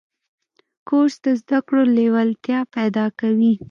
کورس د زده کړو لیوالتیا پیدا کوي.